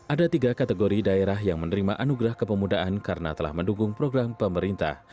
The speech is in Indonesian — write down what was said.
ada tiga kategori daerah yang menerima anugerah kepemudaan karena telah mendukung program pemerintah